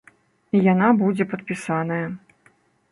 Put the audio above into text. І яна будзе падпісаная.